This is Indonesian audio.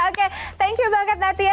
oke thank you banget natia